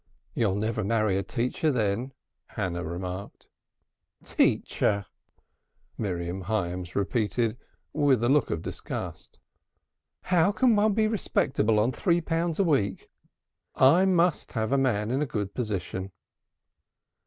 "You'll never marry a teacher, then," Hannah remarked. "Teacher!" Miriam Hyams repeated, with a look of disgust. "How can one be respectable on three pounds a week? I must have a man in a good position."